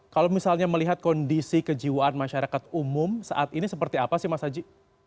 kalau misalnya melihat kondisi kejiwaan masyarakat umum saat ini seperti apa sih mas aji